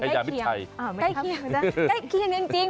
ใกล้เคียงจริง